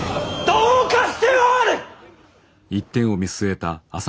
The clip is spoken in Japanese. どうかしておる！